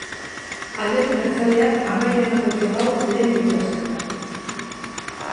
Alderdi jeltzaleak amaiera emango dio gaur lehen bilera-sortari.